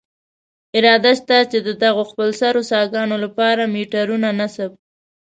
اراده شته، چې دغو خپلسرو څاګانو له پاره میټرونه نصب.